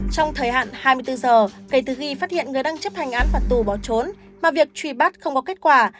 trong thời hạn hai mươi bốn giờ kể từ khi phát hiện người đang chấp hành án phạt tù bỏ trốn mà việc truy bắt không có kết quả